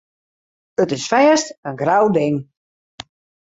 It is fêst in grou ding.